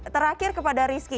terakhir kepada rizky